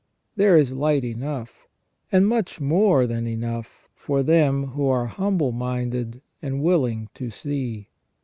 There is light enough, and much more than enough, for them who are humble minded and willing to see.